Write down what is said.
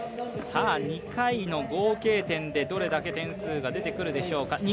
２回の合計点で、どれだけ点数が出てくるでしょうか。